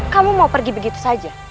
kamu mau pergi begitu saja